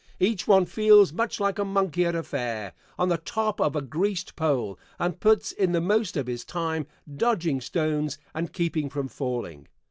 Each one feels much like a monkey at a fair, on the top of a greased pole, and puts in the most of his time dodging stones and keeping from falling.